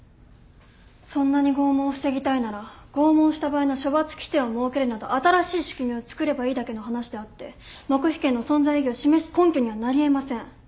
そんなに拷問を防ぎたいなら拷問した場合の処罰規定を設けるなど新しい仕組みを作ればいいだけの話であって黙秘権の存在意義を示す根拠にはなり得ません。